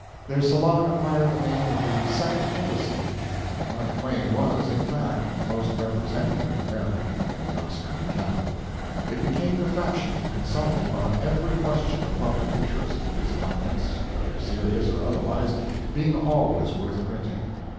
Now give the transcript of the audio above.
Their salon acquired the name of the "Second Embassy," and Mark Twain was, in fact, the most representative American in the Austrian capital. It became the fashion to consult him on every question of public interest, his comments, whether serious or otherwise, being always worth printing.